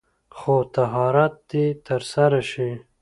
خو طهارت دې تر سره شي.